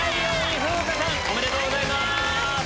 ありがとうございます。